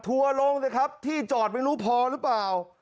ทัวร์ลงสิครับที่จอดไม่รู้พอหรือเปล่า